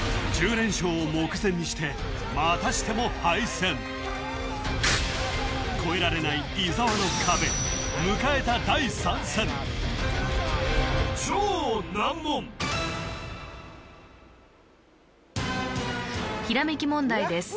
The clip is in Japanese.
連勝目前にしてまたしても敗戦越えられない伊沢の壁迎えた第３戦ひらめき問題です